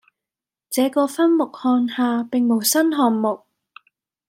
這個分目項下並無新項目